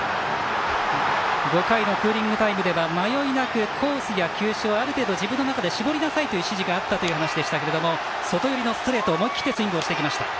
５回のクーリングタイムでは迷いなくコースや球種をある程度、自分の中で絞りなさいという指示があったという話でしたが外寄りのストレートを思い切ってスイングしてきました。